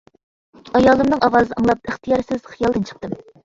ئايالىمنىڭ ئاۋازىنى ئاڭلاپ ئىختىيارسىز خىيالدىن چىقتىم.